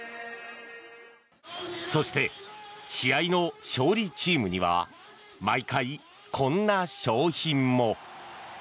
そして、試合の勝利チームには毎回こんな賞品も。